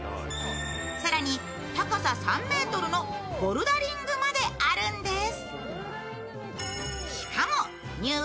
更に、高さ３ｍのボルダリングまであるんです。